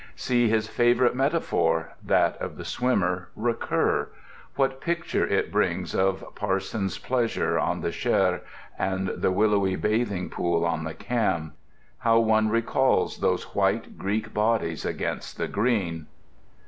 See his favourite metaphor (that of the swimmer) recur—what pictures it brings of "Parson's Pleasure" on the Cher and the willowy bathing pool on the Cam. How one recalls those white Greek bodies against the green!